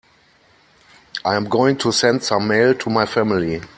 I am going to send some mail to my family.